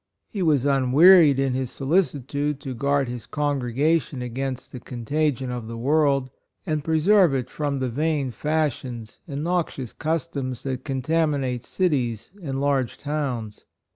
He was unwearied in his solicitude to guard his congregation against the contagion of the world, and preserve it from the vain fash ions and noxious customs that con taminate cities and large towns.